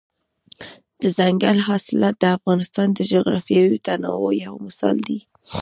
دځنګل حاصلات د افغانستان د جغرافیوي تنوع یو مثال دی.